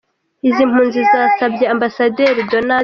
Izi mpunzi zasabye Ambasaderi Donadi.